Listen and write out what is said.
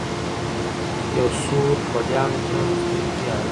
يو سورخوليانو ته مو سترګې دي عالمه